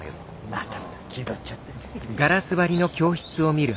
またまた気取っちゃって。